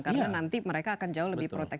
karena nanti mereka akan jauh lebih